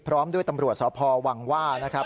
พร้อมด้วยตำรวจสพวังว่านะครับ